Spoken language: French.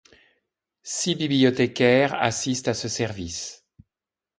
Six bibliothécaires assistent à ce service.